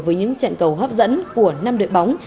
với những trận cầu hấp dẫn của năm đội bóng